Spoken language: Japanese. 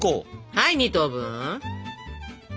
はい２等分！